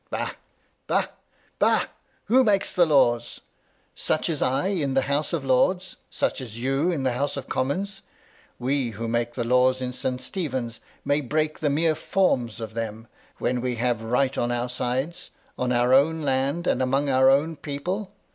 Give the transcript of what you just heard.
"Bah! Bah! Bah! Who makes laws? Such as I, in the House of Lords — ^such as you, in the House of Commons. We, who make the laws in St. Stephen's, may break the mere forms of them, when we have right MY LADY LUDLOW. 59 on our sides, on our own land, and amongst our own people."